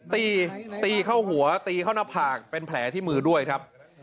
ตีตีเข้าหัวตีเข้าหน้าผากเป็นแผลที่มือด้วยครับ